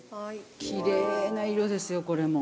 きれいな色ですよこれも。